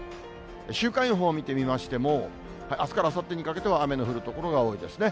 週間予報見てみましても、あすからあさってにかけては雨の降る所が多いですね。